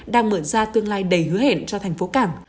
đang mở ra tương lai đầy hứa hẹn cho thành phố cảng